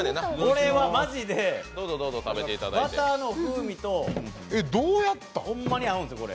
これはマジで、バターの風味とホンマに合うんですよ。